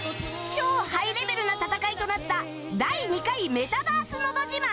超ハイレベルな戦いとなった第２回メタバースのど自慢